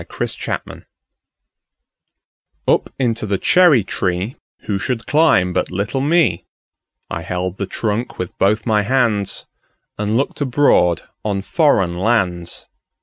Foreign Lands UP into the cherry treeWho should climb but little me?I held the trunk with both my handsAnd looked abroad on foreign lands.